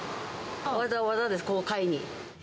わざわざです、ここに買いに。